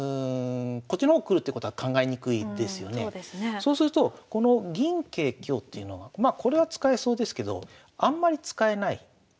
そうするとこの銀桂香っていうのがまあこれは使えそうですけどあんまり使えない。